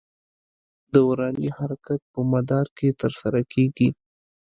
دوراني حرکت په مدار کې تر سره کېږي.